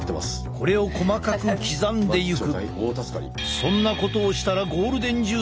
これを細かく刻んでいく。